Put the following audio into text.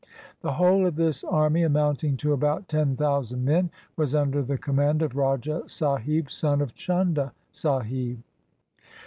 The whole of this army, amounting to about ten thousand men, was under the command of Rajah Sahib, son of Chunda Sahib.